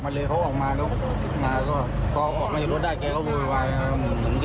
มาเก็บตรงไหนบ้างมาเก็บตรงไหนบ้าง